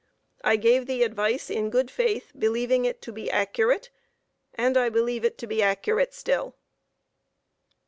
I gave the advice in good faith, believing it to be accurate, and I believe it to be accurate still.